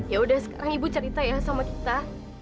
yaudah sekarang ibu cerita ya sama kita